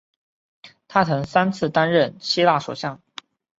他曾三次担任希腊首相。